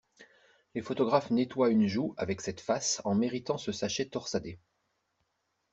Les photographes nettoient une joue avec cette face en méritant ce sachet torsadé.